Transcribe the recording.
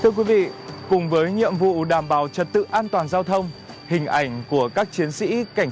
thưa quý vị cùng với nhiệm vụ đảm bảo trật tự an toàn giao thông hình ảnh của các chiến sĩ cảnh